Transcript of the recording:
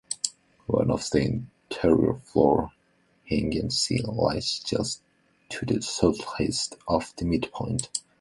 On the interior floor, Hagen C lies just to the southeast of the midpoint.